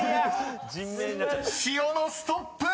［塩野ストップ！］